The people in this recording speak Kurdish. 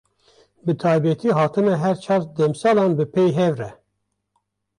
Bi taybetî hatina her çar demsalan di pey hev re.